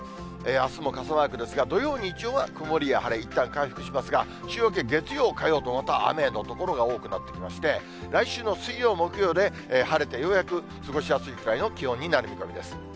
あすも傘マークですが、土曜、日曜は曇りや晴れ、いったん回復しますが、週明け月曜、火曜と、また雨の所が多くなってきまして、来週の水曜、木曜で晴れて、ようやく過ごしやすいくらいの気温になる見込みです。